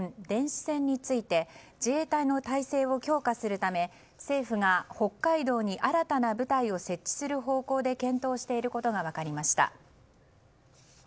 電子戦について自衛隊の体制を強化するため政府が北海道に新たな部隊を設置する方向で検討していることが分かりました。